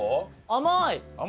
甘い？